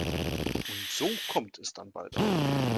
Und so kommt es dann bald auch.